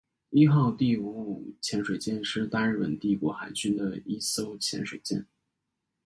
伊号第五五潜水舰是大日本帝国海军的一艘潜水艇。